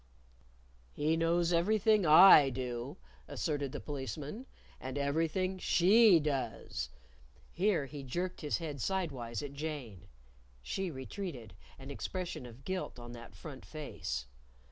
"He knows everything I do," asserted the Policeman, "and everything she does " Here he jerked his head sidewise at Jane. She retreated, an expression of guilt on that front face.